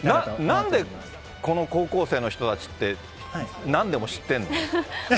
なんで、この高校生の人たちって、なんでも知ってんの？